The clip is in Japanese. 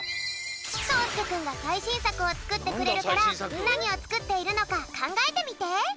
そうすけくんがさいしんさくをつくってくれるからなにをつくっているのかかんがえてみて。